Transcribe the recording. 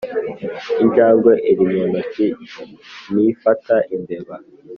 injangwe iri mu ntoki ntifata imbeba.